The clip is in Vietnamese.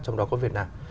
trong đó có việt nam